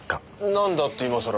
なんだって今さら。